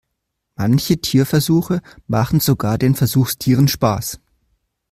Manche Tierversuche machen sogar den Versuchstieren Spaß.